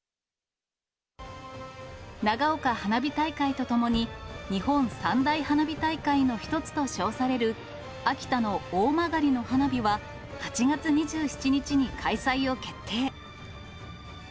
長岡花火大会とともに、日本三大花火大会の一つと称される、秋田の大曲の花火は、８月２７日に開催を決定。